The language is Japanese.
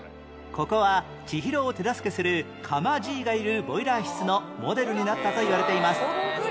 ここは千尋を手助けする釜爺がいるボイラー室のモデルになったといわれています